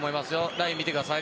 ラインを見てください。